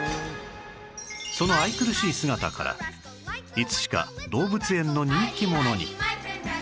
その愛くるしい姿からいつしか動物園の人気者に